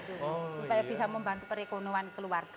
supaya bisa membantu perekonomian keluarga